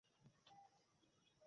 এতে তোমার পরিবারের প্রতীক আছে।